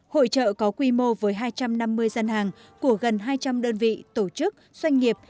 hội trợ có quy mô với hai trăm năm mươi gian hàng của gần hai trăm linh đơn vị tổ chức doanh nghiệp